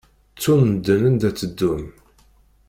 Ttun medden anda tteddun.